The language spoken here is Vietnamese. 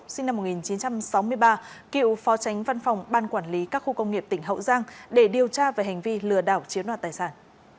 sinh năm một nghìn chín trăm sáu mươi ba cựu phó chánh văn phòng ban quản lý các khu công nghiệp tp đà nẵng để điều tra về hành vi lừa đảo chiếm đoạt tài sản